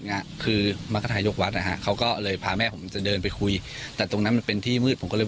เนี้ยคือมรรคทายกวัดนะฮะเขาก็เลยพาแม่ผมจะเดินไปคุยแต่ตรงนั้นมันเป็นที่มืดผมก็เลย